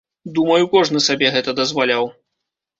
Думаю, кожны сабе гэта дазваляў.